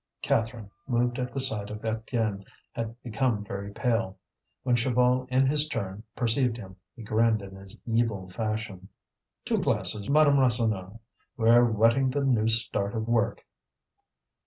Catherine, moved at the sight of Étienne, had become very pale. When Chaval in his turn perceived him, he grinned in his evil fashion. "Two glasses, Madame Rasseneur! We're wetting the new start of work."